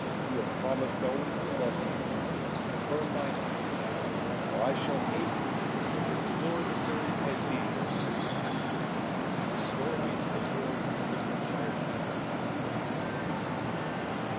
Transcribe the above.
You have promised always to love me, confirm my happiness, or I shall hasten and implore the Fairy Candid, my protectress, to restore me to the form under which I have had the happiness of pleasing you."